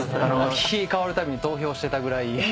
日替わるたびに投票してたぐらい。